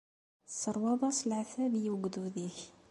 Tesseṛwaḍ-as leɛtab i ugdud-ik.